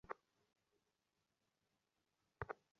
শরীরের রোগ আমরা দেখাতে তালবাসি কিন্তু মনের রোগ নয়।